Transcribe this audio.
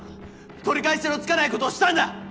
取り返しのつかないことをしたんだ！